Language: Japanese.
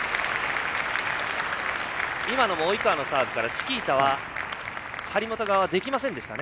今のも及川のサーブからチキータは張本側はできませんでしたね。